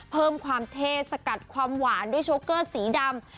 เพิ่มความเท่สกัดความหวานด้วยโชคเกอร์สีดำ